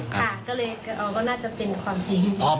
ค่ะก็เลยก็น่าจะเป็นความจริง